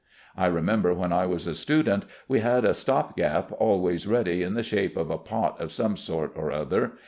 I remember when I was a student we had a stopgap always ready in the shape of a pot of some sort or other.